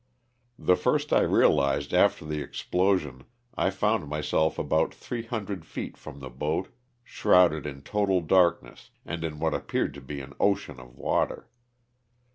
The first I realized after the explosion I found myself about 300 feet from the boat shrouded in total darkness and in what appeared to be an ocean of water.